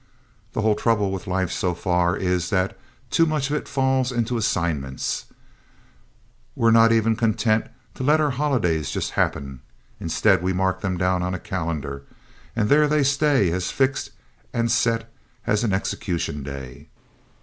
The whole trouble with life so far is that too much of it falls into assignments. We're not even content to let our holidays just happen. Instead we mark them down on a calendar, and there they stay as fixed and set as an execution day.